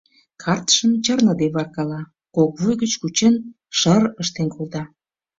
Картшым чарныде варкала, кок вуй гыч кучен, шыр-р ыштен колта